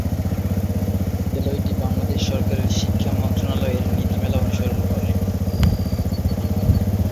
বিদ্যালয়টি বাংলাদেশ সরকারের শিক্ষা মন্ত্রণালয়ের নীতিমালা অনুসরণ করে।